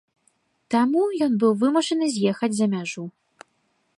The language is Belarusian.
Таму ён быў вымушаны з'ехаць за мяжу.